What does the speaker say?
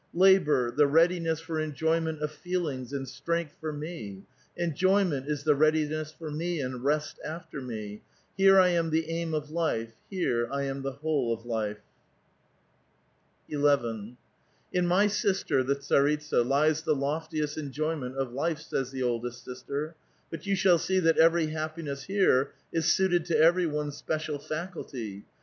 Labor — the readiness for enjoyment of feelings and strength for me — enjoyment is the readiness for me and rest after me. Here I am the aim of life ; here I am the whole of life." 11. " In my sister, the tsaritsa, lies the loftiest enjoyment of life," says the oldest sister; "but you shail see that every happiness here is suited to every one's special faculty.